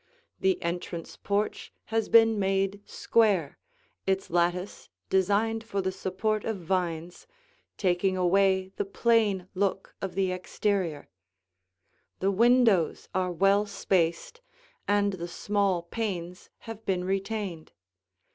The entrance porch has been made square, its lattice, designed for the support of vines, taking away the plain look of the exterior. The windows are well spaced, and the small panes have been retained.